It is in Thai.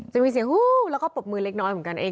จะมีเสียงฮู้แล้วก็ปรบมือเล็กน้อยเหมือนกันเอง